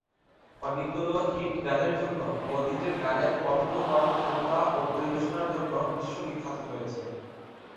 অনেকগুলো হিট গানের জন্য ও নিজের গানের অনন্য কর্মক্ষমতা বা পরিবেশনার জন্য বিশ্ব বিখ্যাত হয়েছেন।